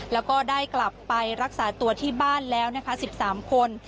แล้วก็ได้กลับไปรักษาตัวที่บ้านแล้วนะคะ๑๓คน